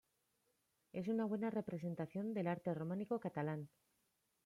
Es una buena representación del arte románico catalán.